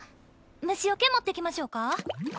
虫よけ持ってきましょうか？